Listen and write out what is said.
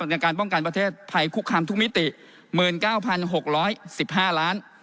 ในการป้องกันประเทศไทยคุกคามทุกมิติ๑๙๖๑๕ล้าน